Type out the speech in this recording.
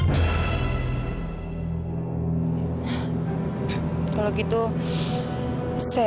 jadi aku bisa memanfaatkan dia untuk mengeruk wajahnya